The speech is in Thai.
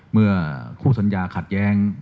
เมื่อคู่สัญญาขัดแย้ง